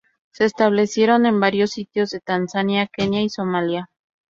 Se establecieron en varios sitios de Tanzania, Kenia y Somalia.